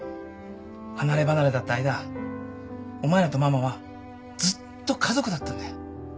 離れ離れだった間お前らとママはずっと家族だったんだよ。